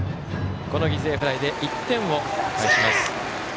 この犠牲フライで１点を返します。